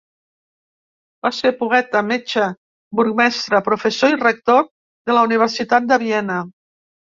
Va ser poeta, metge, burgmestre, professor i rector de la Universitat de Viena.